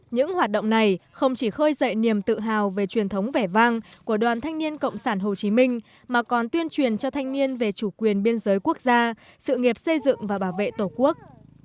những hoạt động này không chỉ khơi dậy niềm tự hào về truyền thống vẻ vang của đoàn thanh niên cộng sản hồ chí minh mà còn tuyên truyền cho thanh niên về chủ quyền biên giới quốc gia sự nghiệp xây dựng và bảo vệ tổ quốc